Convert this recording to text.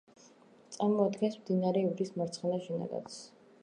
წარმოადგენს მდინარე ივრის მარცხენა შენაკადს.